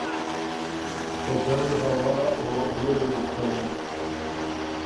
ته جنګ هوا او وريېځئ دی بو چلېن۔